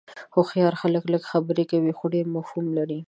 هوښیار خلک لږ خبرې کوي خو ډېر مفهوم لري.